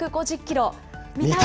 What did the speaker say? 見たい！